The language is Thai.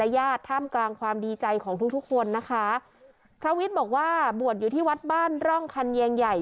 ญาติท่ามกลางความดีใจของทุกทุกคนนะคะพระวิทย์บอกว่าบวชอยู่ที่วัดบ้านร่องคันแยงใหญ่